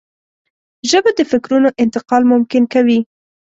ژبه د فکرونو انتقال ممکن کوي